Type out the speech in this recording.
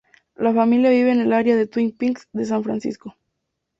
La familia vive en el área de Twin Peaks de San Francisco.